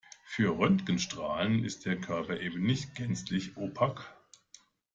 Für Röntgenstrahlen ist der Körper eben nicht gänzlich opak.